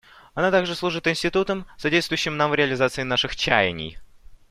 Она также служит институтом, содействующим нам в реализации наших чаяний.